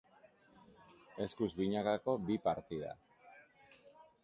Eskuz binakako bi partida.